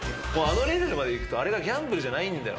あのレベルまでいくとあれがギャンブルじゃないんだよね。